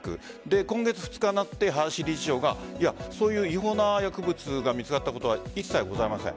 今月２日になって、林理事長が違法な薬物が見つかったことは一切ございません。